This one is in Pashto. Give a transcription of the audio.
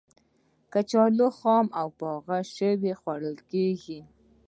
کچالو خام او پخلی شوی خوړل کېږي.